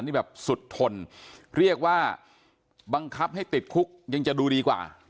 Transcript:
นี่แบบสุดทนเรียกว่าบังคับให้ติดคุกยังจะดูดีกว่า